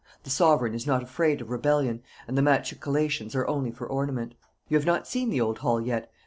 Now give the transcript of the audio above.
The sovereign is not afraid of rebellion, and the machicolations are only for ornament. You have not seen the old hall yet.